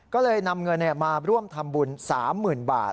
ก็เลยนำเงินมาร่วมทำบุญสามหมื่นบาท